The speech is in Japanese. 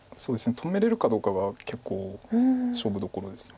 止めれるかどうかが結構勝負どころです。